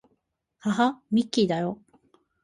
はは、ミッキーだよ